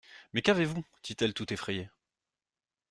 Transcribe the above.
Mais qu'avez-vous ? dit-elle tout effrayée.